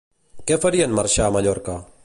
Què faria en marxar a Mallorca?